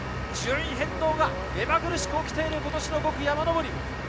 順位変動が目まぐるしく起きている今年の５区。